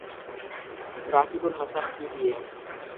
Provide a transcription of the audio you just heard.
রাকিবুল হাসান কি দিয়ে?